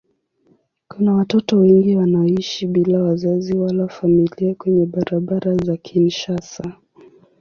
Kuna watoto wengi wanaoishi bila wazazi wala familia kwenye barabara za Kinshasa.